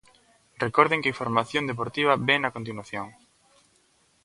Recorden que a información deportiva vén a continuación.